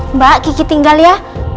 mbak kiki tinggal ya